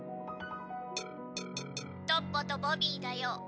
「トッポとボビーだよ」。